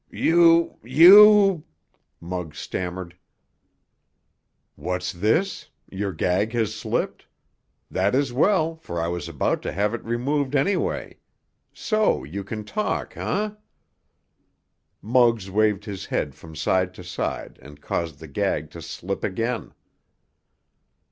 "You—you——" Muggs stammered. "What's this? Your gag has slipped? That is well, for I was about to have it removed, anyway. So you can talk, eh?" Muggs waved his head from side to side and caused the gag to slip again.